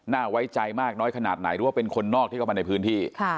ไว้ใจมากน้อยขนาดไหนหรือว่าเป็นคนนอกที่เข้ามาในพื้นที่